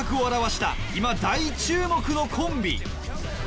さらに今大注目のコンビ